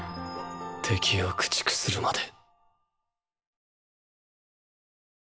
敵を駆逐するまで。